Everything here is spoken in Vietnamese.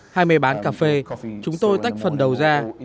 hai mê bán cà phê chúng tôi tách phần đầu ra